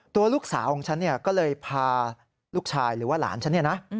ตัวลูกสาวของฉันก็เลยพาลูกชายหรือว่าหลานฉันเนี่ยนะ